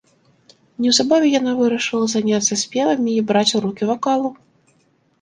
Неўзабаве яна вырашыла заняцца спевамі і браць урокі вакалу.